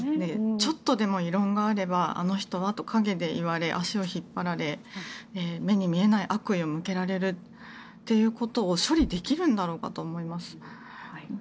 ちょっとでも異論があればあの人がと陰で言われ、足を引っ張られ目に見えない悪意を向けられるということを処理できるんだろうかと思います。